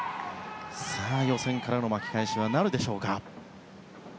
さあ、予選からの巻き返しはなるでしょうか。